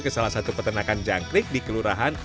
ke salah satu peternakan jangkrik di kelurahan